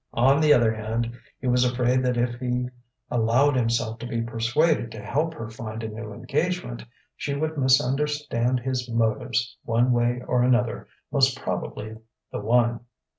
On the other hand, he was afraid that if he allowed himself to be persuaded to help her find a new engagement, she would misunderstand his motives one way or another most probably the one.